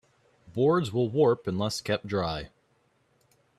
Boards will warp unless kept dry.